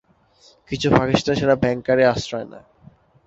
কিছু পাকিস্তানি সেনা বাংকারে আশ্রয় নেয়।